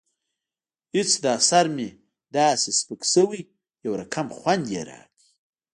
هېڅ دا سر مې داسې سپک سوى يو رقم خوند يې راکړى.